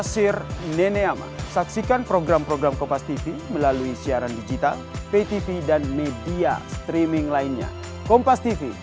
sidang selesai dan ditutup